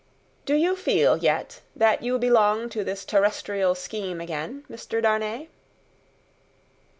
"Do you feel, yet, that you belong to this terrestrial scheme again, Mr. Darnay?"